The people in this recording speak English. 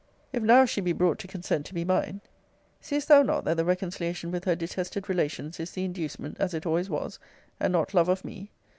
If now she be brought to consent to be mine, seest thou not that the reconciliation with her detested relations is the inducement, as it always was, and not love of me?